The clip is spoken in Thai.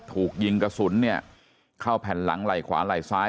ถูกยิงกระสุนเนี่ยเข้าแผ่นหลังไหล่ขวาไหล่ซ้าย